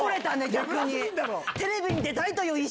逆に。